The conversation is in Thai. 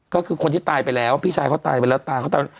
ก็คือคนที่ตายไปแล้วพี่ชายเขาตายไปแล้วตายเขาตาย